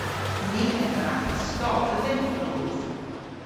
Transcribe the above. Ni a dhallathas skol dhe bymp bloodh.